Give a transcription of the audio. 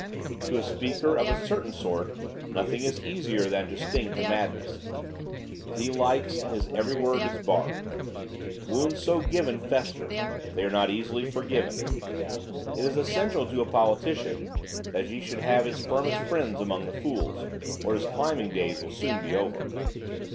To a speaker of a certain sort nothing is easier than to sting to madness. If he likes, his every word is barbed. Wounds so given fester; they are not easily forgiven; it is essential to a politician that he should have his firmest friends among the fools; or his climbing days will soon be over.